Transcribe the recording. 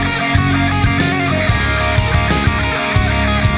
ไม่มีแพ้มีเสมอ